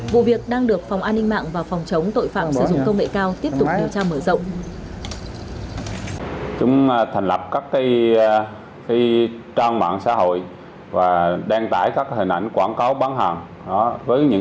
vụ việc đang được phòng an ninh mạng và phòng chống tội phạm sử dụng công nghệ cao tiếp tục điều tra mở rộng